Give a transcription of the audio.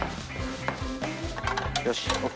よしＯＫ